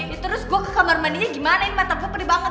gitu terus gue ke kamar mandinya gimana ini mata gue pede banget